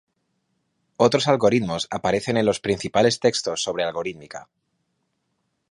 Otros algoritmos aparecen en los principales textos sobre algorítmica.